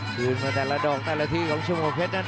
ขึ้นมาแต่ละดองแต่ละทีของชมพเผชนั่น